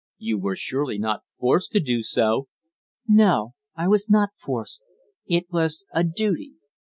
"You were surely not forced to do so." "No; I was not forced. It was a duty."